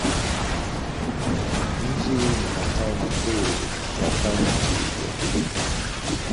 Mji ni makao makuu ya Kaunti ya Kilifi.